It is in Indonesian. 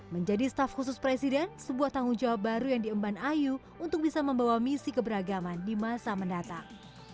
menjadi staf khusus presiden sebuah tanggung jawab baru yang diemban ayu untuk bisa membawa misi keberagaman di masa mendatang